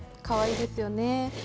かわいいですよね。